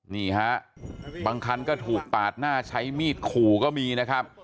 นี่ฮะบางคันก็ถูกปาดหน้าใช้มีดขู่ก็มีนะครับ